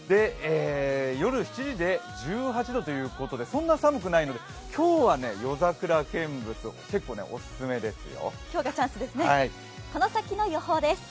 夜７時で１８度ということで、そんな寒くないので、今日は夜桜見物、結構オススメですよ。